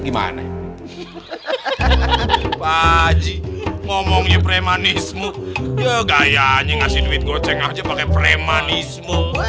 gimana haji ngomongnya premanisme ya gaya nyingat si duit goceng aja pakai premanisme